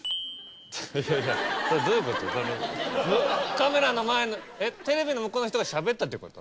カメラの前のテレビの向こうの人がしゃべったってこと？